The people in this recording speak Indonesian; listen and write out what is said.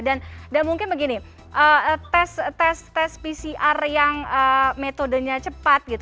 dan mungkin begini tes pcr yang metodenya cepat